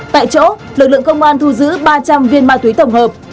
tại chỗ lực lượng công an thu giữ ba trăm linh viên ma túy tổng hợp